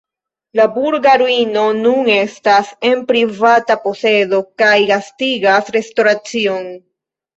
La burga ruino nun estas en privata posedo kaj gastigas restoracion.